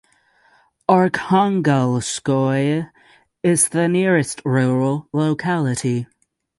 Arkhangelskoye is the nearest rural locality.